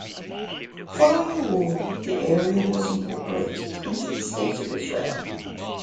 Following the war, the area was incorporated into the State of Israel.